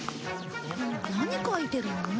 何描いてるの？